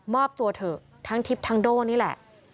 อบตัวเถอะทั้งทิพย์ทั้งโด่นี่แหละ